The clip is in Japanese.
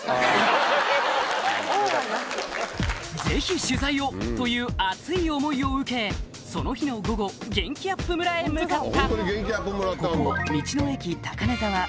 「ぜひ取材を！」という熱い思いを受けその日の午後元気あっぷむらへ向かった